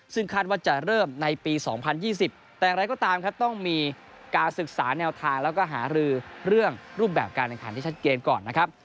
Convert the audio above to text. ซึ่งคาดว่าจะเริ่มในปี๒๐๒๐แต่อย่างไรก็ตามครับต้องมีการศึกษาแนวทางแล้วก็หารือเรื่องรูปแบบการแข่งขันที่ชัดเจนก่อนนะครับ